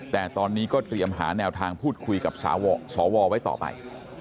แต่ตอนนี้ก็เตรียมหาแนวทางพูดคุยกับสวไว้ต่อไป